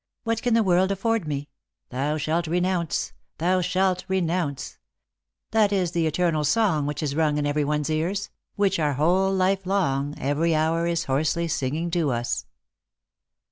What can th» world afford me ?" Thou shalt renounce !"" Thou shalt renounce !" That is the eternal song which is rung in every one's ears ; which, our whole life long, every hour is hoarsely singing to us."